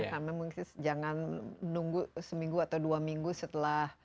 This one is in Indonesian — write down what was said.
karena mungkin jangan nunggu seminggu atau dua minggu setelah